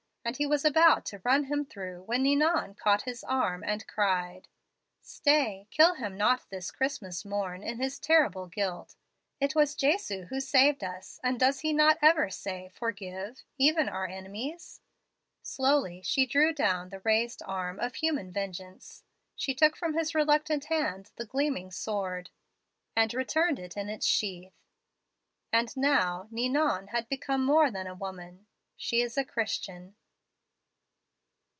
and he was about to run him through when Ninon caught his arm and cried, 'Stay, kill him not this Christmas morn in his terrible guilt. It was Jesu who saved us; and does He not ever say, Forgive even our enemies?' "Slowly she drew down the raised arm of human vengeance. She took from his reluctant hand the gleaming sword, and returned it in its sheath. "And now Ninon has become more than a woman, she is a Christian."